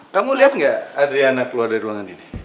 kamu liat gak adriana keluar dari ruangan ini